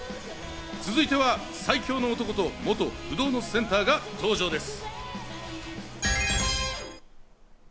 続いては最強の男と元不動のセンターが登場です。